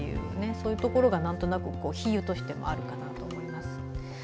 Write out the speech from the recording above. そういうところが、なんとなく比喩としてもあるかなと思います。